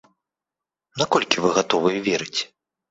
Наколькі вы гатовыя верыць?